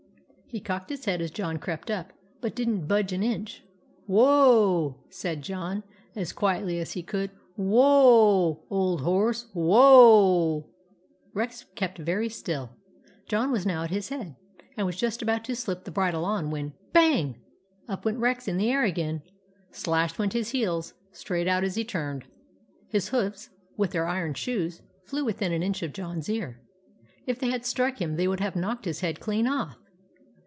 He cocked his head as John crept up, but did n't budge an inch. " Whoa !" said John, as quietly as he could. " Who o a, old horse, who o a !" Rex kept very still. John was now at his head, and was just about to slip the bridle on when — bang ! up went Rex in the air again, — slash went his heels straight out as he turned. His hoofs with their iron shoes flew within an inch of John's ear. If they had struck him they would have knocked his head clean off.